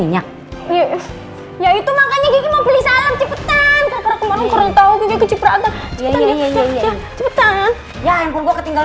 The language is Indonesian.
ya cepetan abis sekarang mbak mena